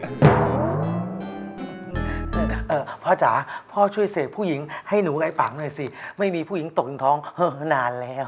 พ่อจ๋าพ่อช่วยเสกผู้หญิงให้หนูไอ้ฝังหน่อยสิไม่มีผู้หญิงตกอยู่ท้องนานแล้ว